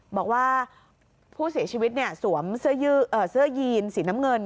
บอกว่าผู้เสียชีวิตสวมเสื้อยีนสีน้ำเงิน